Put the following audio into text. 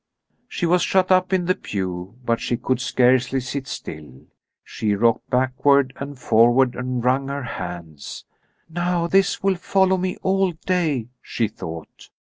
She was shut up in the pew, but she could scarcely sit still. She rocked backward and forward and wrung her hands. "Now this will follow me all day," she thought.